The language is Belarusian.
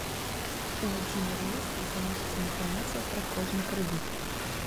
У адзіны рэестр заносіцца інфармацыя пра кожны крэдыт.